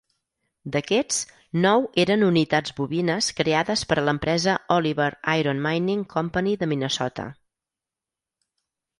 D'aquests, nou eren unitats "bovines" creades per a l'empresa Oliver Iron Mining Company de Minnesota.